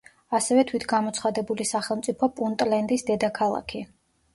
ასევე თვითგამოცხადებული სახელმწიფო პუნტლენდის დედაქალაქი.